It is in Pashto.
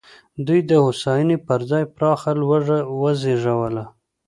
دوی د هوساینې پر ځای پراخه لوږه وزېږوله.